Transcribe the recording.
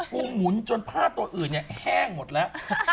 กูหมุนจนผ้าตัวอื่นเนี่ยแห้งหมดแล้ว